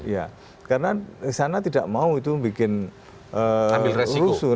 ya karena sana tidak mau itu bikin rusuh